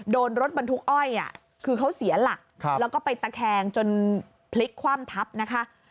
โดนรถบรรทุกอ้อยคือเขาเสียหลักแล้วก็ไปตะแคงจนพลิกคว่ำทับนะคะ